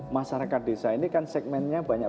masyarakat desa ini kan segmennya banyak